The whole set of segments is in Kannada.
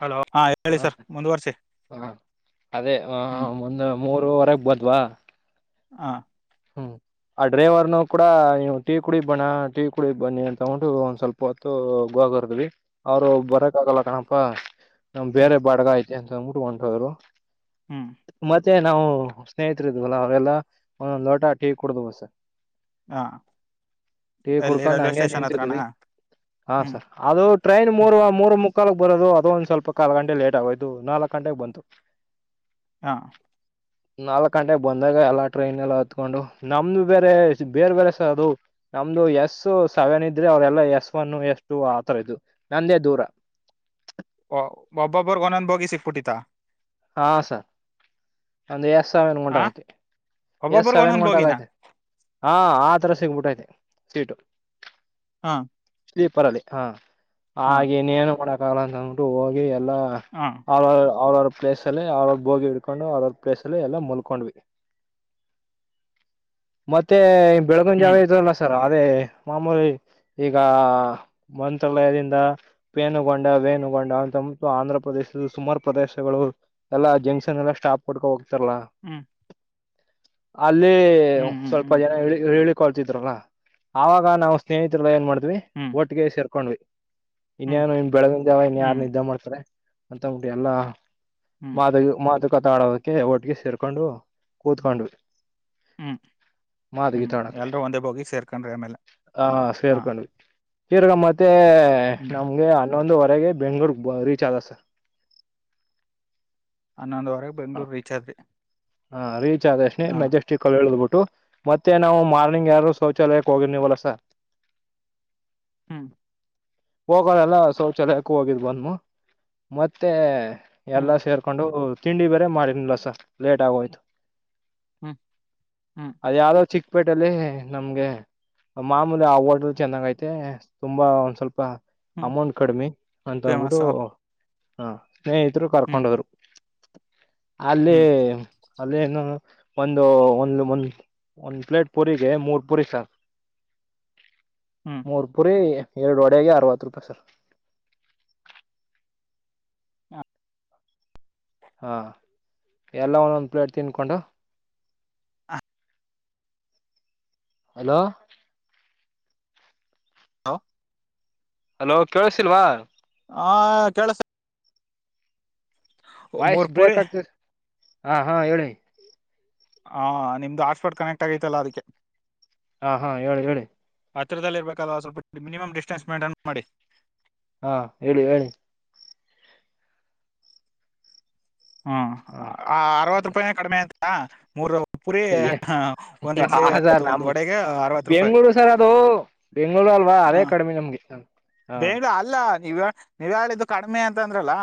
ಹಲೋ ಹ. ಹಾ ಹ ಅದೇ ಹ ಹ್ಮ್ ಒಂದು ಮುರು ಮೂರವರೆಗೆ ಬಾನ್ದ್ವಾ. ಹಾ- ಹ್ಮ್ ಆ ಡ್ರೈವರ್ನು ಕೂಡ ನೀವು ಟೀ ಕುಡ ಬಣ್ಣ ಟೀ ಕುಡ ಬನ್ನಿ ಅಂತ ತಗಟ್ಟು ಒಂದ್ ಸ್ವಲ್ಪ- ಸ್ವಲ್ಪ ಹೊತ್ತೂ ಗೋಗರ್ದ್ವಿ ಅವರು ಬರಕ್ ಆಗಲ್ಲ ಕಣಪ್ಪ ನಮ್ ಹ್ಮ್ ಬೇರೆ ಬಾಡ್ಗ ಐತೆ ಅಂತ ಅಂದ್ಬಿಟ್ಟ ಹೊಂಟ ಹೋದ್ರು. ಹ್ಮ. ಮತ್ತೆ ನಾವು ಸ್ನೇಹಿತರ ಇದ್ವಲ್ಲ ಅವೆಲ್ಲ ಒ ಒದ್ ಲೋಟಾ ಟೀ ಕುಡ್ವ ಹಾ ಟೀ ಎಲ್ಲಿ ಕುಡ್ಕೊಂಡು ರೈಲ್ವೆ ಹಂಗೆ ಸ್ಟೇಷನ್ ಹತ್ರನಾ ನಿಂತಿದವಿ ಹಾ ಹ್ಮ್ ಸರ್ ಅದು ಟ್ರೈನ್ ಹ್ಮ್ ಮೂರ್ ಮೂರು ಮುಕ್ಕಾಲಕ್ ಬರೋದು ಅದು ಒಂದು ಸ್ವಲ್ಪ ಕಾಲ್ ಗಂಟೆ ಲೇಟ್ ಆಗೋಯ್ತು ನಾಲ್ಕ್ ಗಂಟೆಗ್ ಬಂತು. [inaudible] ಹಾ. ನಾಲ್ಕ್ ಗಂಟೆಗೆ ಬಂದಾಗ ಎಲ್ಲ ಟ್ರೈನ್ ಎಲ್ಲ ಕತ್ಕೊಂಡು ನಮ್ದು ಬೇರೆ ಬೇರೆ ಬೇರೆ ಸ ಅದು. ನಮ್ದು ಎಸ್ ಸೆವೆನ್ ಇದ್ರೆ ಅವ್ರಲ್ಲ ಎಸ್ ಒನ್ ಎಸ್ ಟು ಆತರ ಇದು ನಂದೇ ದೂರ. ಒ ಒಬ್ಬೊಬ್ಬರ್ಗ ಒಂದೊಂದು ಭೋಗಿ ಸಿಕ್ಬಿಟ್ಟಿತಾ? ಹಾ ಸರ್. ನಂದು ಎಸ್ ಸೆವೆನ್ ಹಾ ಗೊಂಟಾಗೈತಿ ಎಸ್ ಒಬ್ಬೊಬ್ಬರ್ಗ ಸೆವೆನ್ ಒಂದೊಂದ್ ಬೋಗಿನಾ ಗೊಂಟಾಗೈತೆ. ಹಾ ಆ ತರ ಸಿಗ್ಬಿಟ್ಟೈತೆ ಸೀಟು. ಹಾ. ಸ್ಲೀಪರ್ ಅಲ್ಲಿ ಹಾ ಹಾ ಹಾಗೆ ಇನೇನು ಮಾಡಕ್ ಆಾಗಲ್ಲ ಅಂತ ಅಂದ್ಬಿಟ್ಟು ಹೋಗಿ ಎಲ್ಲಾ ಹಾ. ಅವ ಅವ್ರವ್ರ ಪ್ಲೇಸ ಅಲ್ಲಿ ಅವ್ರ್ರ ಬೋಗಿ ಹಿಡ್ಕೊಂಡು ಅವ್ರವ್ರ ಪ್ಲೇಸ್ ಅಲ್ಲಿ ಎಲ್ಲ ಮುಲ್ಕೊಂಡ್ವಿ. ಮತ್ತೆ ಬೆಳಗುನ್ ಹ್ಮ್ ಜಾವ ಇದ್ರಲ್ಲ ಸರ್ ಅದೇ ಮಾಮೂಲಿ ಈಗ ಮಂತ್ರಾಲಯದಿಂದ ಪೇನುಗೊಂಡ ವೇನುುಗೊಂಡ ಅಂತ ಆಂಧ್ರ ಪ್ರದೇಶದ ಸುಮಾರ್ ಪ್ರದೇಶ [inaudible] ಎಲ್ಲ ಜಂಕ್ಷನ್ ಎಲ್ಲಾ ಸ್ಟಾಪ್ ಕೊಡ್ಕೊಂಡ ಹೋಗ್ತಾರಲ್ಲ? ಹ್ಮ್ ಅಲ್ಲಿ ಹ್ಮ್ ಸ್ವಲ್ಪ ಹ್ಮ್ ಜನ ಹೇಳಿ ಹೇಳಿಕೊಳ್ತಿದ್ರಲ್ಲ ಆವಾಗ ನಾವು ಸ್ನೇಹಿತರೆಲ್ಲಾ ಏನ್ ಮಾಡ್ತೀವಿ ಹ್ಮ. ಒಟ್ಟಿಗೆ ಸೇರ್ಕೊಂಡ್ವಿ ಇನ್ನೇನು ಇನ್ ಬೆಳ್ಗಿನ್ ಜಾವ ಇನ್ ಯಾರ್ ಹ್ಮ್ ನಿದ್ದೆ ಮಾಡ್ತಾರೆ ಅಂತ್ಬಿಟ್ಟಿ ಎಲ್ಲಾ ಹ್ಮ್ ಹ್ಮ್ ಮಾತು ಮಾತುಕತ ಆಡೋದಕ್ಕೆ ಒಟ್ಟಿಗೆ ಸೇರ್ಕೊಂಡು ಕೂತ್ಕೊಂಡ್ವಿ. ಹ್ಞೂ ಹ್ಞೂ ಮಾತುಗೀತ ಆಡೋಕೆ ಎಲ್ಲರೂ ಒಂದೇ ಭೋಗಿ ಸೇರ್ಕೊಂಡ್ರಿ ಆಮೇಲೆ ಆ ಹಾಂ. ಸೇರ್ಕೊಂಡ್ವಿ ತಿರ್ಗ ಮತ್ತೆ ನಮ್ಗೆ ಹನ್ನೊಂದುವರೆಗೆ ಬೆಂಗಳೂರ್ಗೆ ರೀಚ್ ಆದ್ವಿ ಸರ್. ಹನ್ನೊಂದವರೆಗೆ ಬೆಂಗ್ಳೂರು ರೀಚ್ ಆದ್ರಿ. ಹಾ ರೀಚ್ ಆದೇ ಅಷ್ಟೇ ಹಾ ಮೆಜೆ ಕಳ್ಬಿಟ್ಟು ಮತ್ತೆ ನಾವು ಮಾರ್ನಿಂಗ್ ಯಾರು ಶೌಚಾಲಯಕ್ಕೆ ಹೋಗಿರ್ನವಲ್ಲ ಸರ್. [inaudible] ಹ್ಮ. ಹೋಗೊರೆಲ್ಲ ಶೌಚಾಲಯಕ್ಕೆ ಹೋಗಿದ್ ಬಂದ್ಮ ಮತ್ತೆ ಹ್ಮ್ ಎಲ್ಲಾ ಸೇರ್ ಕೊಂಡು ತಿಂಡಿ ಬೇರೆ ಮಾಡನಿಲ್ಲ ಸರ್ ಲೇಟ್ ಆಗೋಯ್ತು. ಹ್ಮ ಹ್ಮ ಅದ ಯಾವ್ದೋ ಚಿಕ್ಕಪೇಟೆಲ್ಲಿ ನಮ್ಗೆ ಮಾಮೂಲಿ ಆ ಹೋಟೆಲ್ ಚೆನ್ನಾಗ ಐತೆ ತುಂಬಾ ಒಂದ್ ಸ್ವಲ್ಪ ಹ್ಮ್ ಅಮೌಂಟ್ ಕಡಿಮಿ ಅಂತ ಅಂದಬಿಟ್ಟು ಫೇಮಸ್ ಅ ಸ್ನೇಹಿತರು ಹ್ಮ್ ಕರ್ಕೊಂಡೊದ್ರು. ಅಲ್ಲಿ ಹ್ಮ್ ಅಲ್ಲಿ ಏನು ಒಂದು ಒಂದುಂದ ಒಂದು ಪ್ಲೇಟ್ ಪೂರಿಗೆ ಮೂರು ಪೂರಿ ಸರ್. ಹ್ಮ್- ಮೂರು ಪೂರಿ ಎರಡು ವಡೆಗೆ ಅರವತ್ತು ರೂಪಾಯಿ ಸರ್. ಆ ಹಾ ಎಲ್ಲ ಒಂದೊಂದ ಪ್ಲೇಟ್ ತಿನ್ಕೊಂಡು. ಹಲೋ. ಹ. ಅಲೋ ಕೇಳಸಿಲ್ವಾ. ಹಾ ಕೇಳುಸ್ತಾ. ವಾಯ್ಸ್ ಮೂರ್ ಪುರಿ ಬ್ರೇಕ್ ಆಗ್ತ ಹಾ ಹಾ ಹೇಳಿ. ಹಾ ನಿಮ್ದು ಹಾಟ್ಸ್ಪಾಟ್ ಕನೆಕ್ಟ್ ಆಗೈತಲ್ಲ ಅದಕ್ಕೆ. ಹಾಂ ಹಾಂ ಹೇಳಿ ಹೇಳಿ. ಹತ್ರದಲ್ಲಿ ಇರ್ಬೇಕಾದಾಗ ಸ್ವಲ್ಪ ಮಿನೀಮಮ್ ಡಿಸ್ಟನ್ಸ್ ಮೇಂಟೇನ್ ಮಾಡಿ. ಹಾ ಹೇಳಿ ಹೇಳಿ. ಹ್ಮ ಹಾ ಅರವತ್ತು ರೂಪಾಯಿನೇ ಕಡಿಮೆ ಅ. ಹ ಮೂರ್ ಪುರಿ ಒಂದ್ ಇಡ್ಲಿ ಅ ಒಂದು ವಡೆಗೆ ಅರವತ್ತು. ಬೆಂಗಳೂರು ಸರ್ ಅದು ಬೆಂಗಳೂರು ಅಲ್ವಾ ಅದೇ ಕಡಿಮೆ ನಮ್ಗೆ ಹ. ಅಲ್ಲಾ ನೀವ. ನೀವ್ಯಾರ ಇದು ಕಡಿಮೆ ಅಂತ ಅಂದ್ರಲ್ಲ.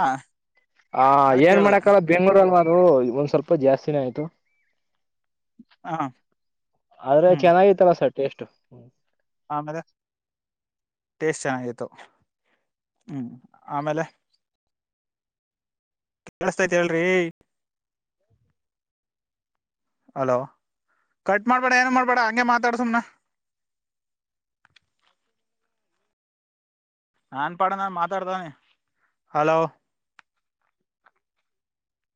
ಹ ಅದ ಏನ್ ಕೇಳ್ದ ಮಾಡಕಾವ ಬೆಂಗಳೂರಲ್ವಾ ಅದು ಒಂದ್ ಸ್ವಲ್ಪ ಜಾಸ್ತಿನೇ ಆಯ್ತು. ಹ ಆದ್ರೆ ಹ್ಮ್ ಚೆನ್ನಾಗಿತ್ತಲ್ಲ ಸರ್ ಟೇಸ್ಟ್. ಆಮೇಲೆ ಟೇಸ್ಟ್ ಚೆನ್ನಾಗಿತ್ತು ಹ್ಮ್ ಆಮೇಲೆ. ಕೇಳಿಸ್ತಾ ಐತಿ ಹೇಳ್ರಿ. ಅಲೋ ಕಟ್ ಮಾಡ್ಬೇಡ ಏನು ಮಾಡ್ಬೇಡ ಹಂಗೆ ಮಾತಾಡ್ ಸಮ್ನ. ನನ್ಪಾಡ ನ ಮಾತಾಡ್ತತವ್ನಿ ಹಲೋ.